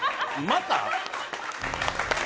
また？